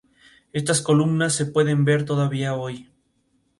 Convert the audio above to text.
Estas columnas se pueden ver todavía hoy.